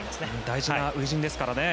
大事な初陣ですからね。